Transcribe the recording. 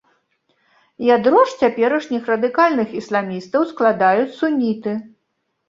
Ядро ж цяперашніх радыкальных ісламістаў складаюць суніты.